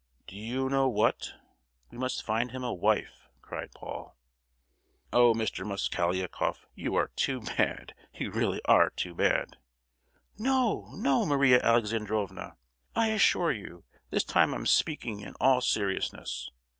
"Do you know what—we must find him a wife!" cried Paul. "Oh, Mr. Mosgliakoff, you are too bad; you really are too bad!" "No, no, Maria Alexandrovna; I assure you, this time I'm speaking in all seriousness.